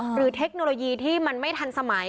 เทคโนโลยีที่มันไม่ทันสมัย